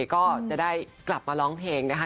ก็จะได้กลับมาร้องเพลงนะคะ